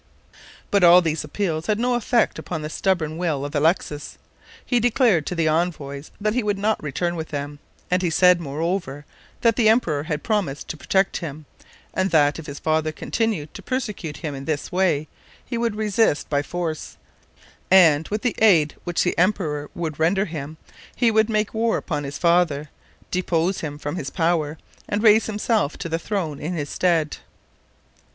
But all these appeals had no effect upon the stubborn will of Alexis. He declared to the envoys that he would not return with them, and he said, moreover, that the emperor had promised to protect him, and that, if his father continued to persecute him in this way, he would resist by force, and, with the aid which the emperor would render him, he would make war upon his father, depose him from his power, and raise himself to the throne in his stead.